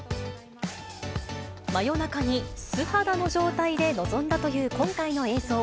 真夜中に素肌の状態で臨んだという今回の映像。